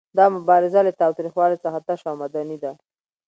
دا مبارزه له تاوتریخوالي څخه تشه او مدني ده.